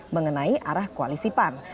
mengenai arah koalisi pan